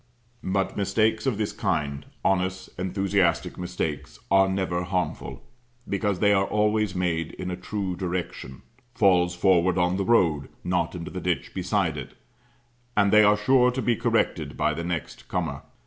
But mistakes of this kind honest, enthusiastic mistakes are never harmful; because they are always made in a true direction, falls forward on the road, not into the ditch beside it; and they are sure to be corrected by the next comer.